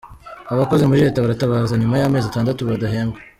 Abakoze muri leta baratabaza nyuma y’amezi atandatu badahembwa